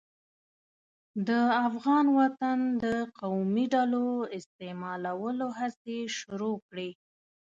د افغان وطن د قومي ډلو استعمالولو هڅې شروع کړې.